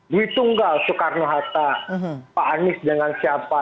dihitung gak soekarno hatta pak anies dengan siapa